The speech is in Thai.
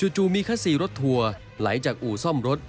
จู่มีคัสซีรถทัวร์ไหลจากอู่ซ่อมรถ